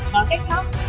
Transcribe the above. nói cách khác